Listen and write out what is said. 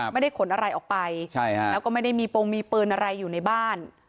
ไม่ได้ขนอะไรออกไปแล้วก็ไม่ได้มีโปรงมีปืนอะไรอยู่ในบ้าน